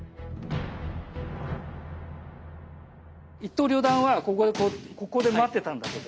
一刀両段はここで待ってたんだけど。